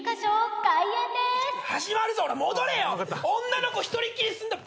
女の子一人っきりにすんな。